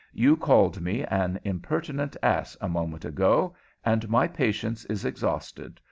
"You called me an impertinent ass a moment ago, and my patience is exhausted.